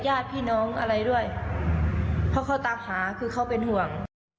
ญาติพี่น้องอะไรด้วยเพราะเขาตามหาคือเขาเป็นห่วง